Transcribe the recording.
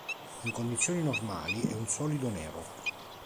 In condizioni normali è un solido nero.